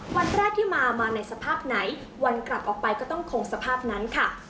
วันแรกที่มามาในสภาพไหนวันกลับออกไปก็ต้องคงสภาพนั้นค่ะ